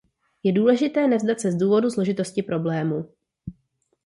Je důležité nevzdat se z důvodu složitosti problému.